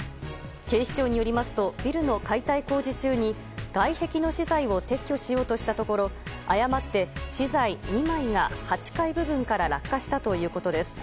警視庁によりますとビルの解体工事中に外壁の資材を撤去しようとしたところ誤って資材２枚が８階部分から落下したということです。